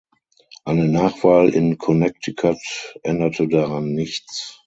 Eine Nachwahl in Connecticut änderte daran nichts.